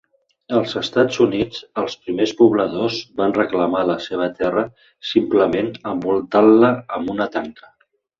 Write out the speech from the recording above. Als Estats Units, els primers pobladors van reclamar la seva terra simplement envoltant-la amb una tanca.